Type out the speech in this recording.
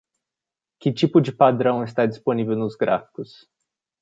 Que tipo de padrão está disponível nos gráficos?